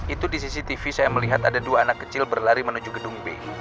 itu di cctv saya melihat ada dua anak kecil berlari menuju gedung b